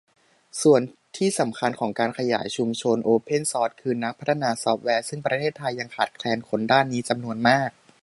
ส่วนที่สำคัญของการขยายชุมชนโอเพ่นซอร์สคือ นักพัฒนาซอร์ฟแวร์ ซึ่งประเทศไทยยังขาดแคลนคนด้านนี้จำนวนมาก